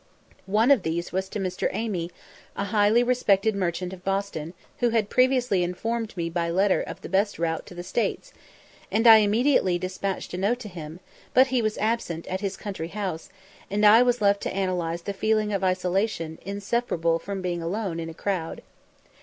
One of these was to Mr. Amy, a highly respected merchant of Boston, who had previously informed me by letter of the best route to the States, and I immediately despatched a note to him, but he was absent at his country house, and I was left to analyse the feeling of isolation inseparable from being alone in a crowd.